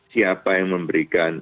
siapa yang memberikan